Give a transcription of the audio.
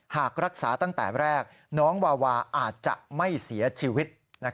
หากรักษาตั้งแต่แรกน้องวาวาอาจจะไม่เสียชีวิต